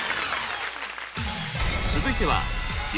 続いては。